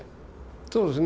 そうですね。